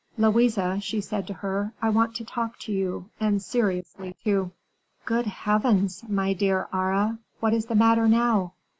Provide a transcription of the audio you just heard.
"Louise," she said to her, "I want to talk to you, and seriously, too." "Good heavens! my dear Aure, what is the matter now?"